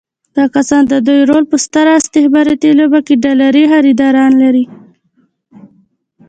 دغه کسان د دې رول په ستره استخباراتي لوبه کې ډالري خریداران لري.